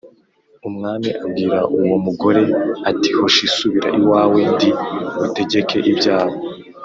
Umwami abwira uwo mugore ati “Hoshi subira iwawe, ndi butegeke ibyawe.”